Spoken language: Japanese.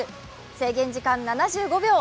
制限時間７５秒。